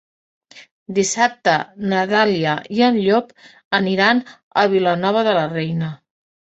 Dissabte na Dàlia i en Llop aniran a Vilanova de la Reina.